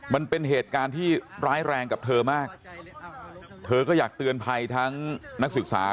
มันเป็นเหตุการณ์ที่ร้ายแรงกับเธอมากเธอก็อยากเตือนภัยทั้งนักศึกษา